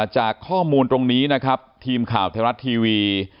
จากข้อมูลตรงนี้นะครับทีมข่าวไทยรัฐทีวี